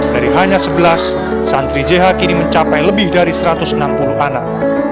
dari hanya sebelas santri jeha kini mencapai lebih dari satu ratus enam puluh anak